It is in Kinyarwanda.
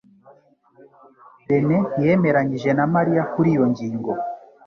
rene ntiyemeranije na Mariya kuri iyo ngingo.